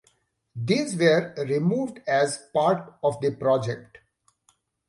These were removed as part of the Project.